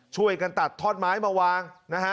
ช่วยกันตัดทอดไม้มาวาง